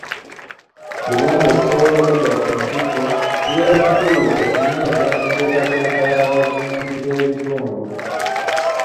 Buganda okusobola okudda ku ntikko kibeera kikulu okunyweza enteekateeka ya gavumenti ez'ebitundu